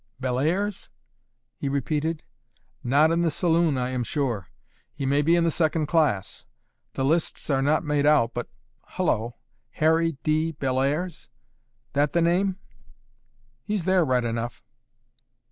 "Bellairs?" he repeated. "Not in the saloon, I am sure. He may be in the second class. The lists are not made out, but Hullo! 'Harry D. Bellairs?' That the name? He's there right enough."